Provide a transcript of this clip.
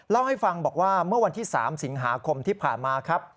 เล่าให้ฟังบอกว่าเมื่อวันที่๓สิงหาคมที่ผ่านมาครับ